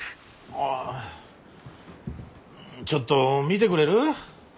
あちょっと見てくれる？